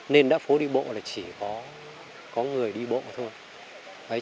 nên đã phố đi bộ là chỉ có người đi bộ mà thôi